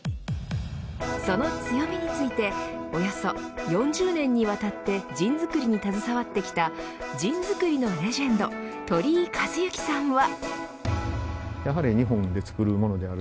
その強みについておよそ４０年にわたってジンづくりに携わってきたジンづくりのレジェンド鳥井和之さんは。